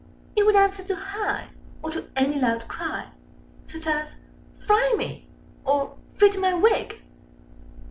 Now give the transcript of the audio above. He would answer to "Hi!" or to any loud cry, Â Â Â Â Such as "Fry me!" or "Fritter my wig!"